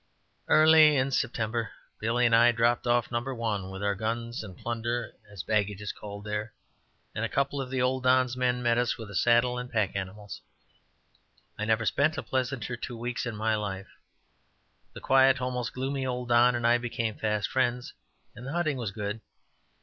Early in September Billy and I dropped off No. 1 with our guns and "plunder," as baggage is called there, and a couple of the old Don's men met us with saddle and pack animals. I never spent a pleasanter two weeks in my life. The quiet, almost gloomy, old Don and I became fast friends, and the hunting was good.